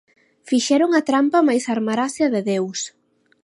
Fixeron a trampa mais armarase a de Deus!